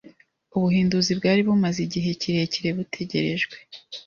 Ubuhinduzi bwari bumaze igihe kirekire butegerejwe